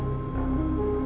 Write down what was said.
itu uang buat keperluan saya